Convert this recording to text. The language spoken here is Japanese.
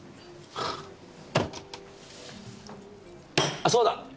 あっそうだ！